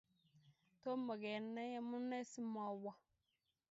tom kenai amunee simawo